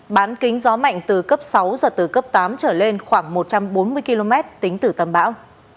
bán kính gió mạnh từ cấp sáu giật từ cấp tám trở lên khoảng một trăm bốn mươi km tính từ tâm bão